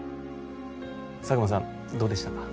佐久間さんどうでしたか？